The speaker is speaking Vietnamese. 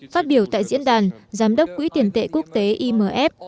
phát biểu tại diễn đàn giám đốc quỹ tiền tệ quốc tế imf